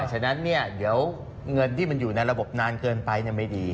ฉะนั้นเนี่ยเดี๋ยวเงินที่มันอยู่ในระบบนานเกินไปไม่ดี